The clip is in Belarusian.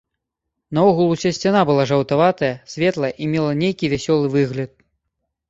Наогул уся сцяна была жаўтаватая, светлая і мела нейкі вясёлы выгляд.